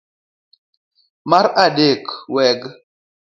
Mar adek, weg